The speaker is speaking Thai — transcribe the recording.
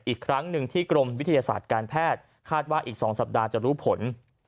อีกครั้งหนึ่งที่กรมวิทยาศาสตร์การแพทย์คาดว่าอีก๒สัปดาห์จะรู้ผล